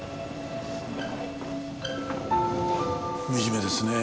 惨めですね